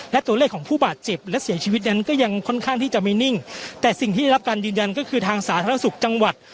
และตัวเลขของผู้บาดเจ็บและเสียชีวิตนั้นก็ยังค่อนข้างที่จะไม่นิ่งแต่สิ่งที่ได้รับการยืนยันก็คือทางสาธารณสุขจังหวัด